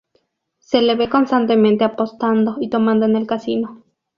Se le ve constantemente apostando y tomando en el Casino.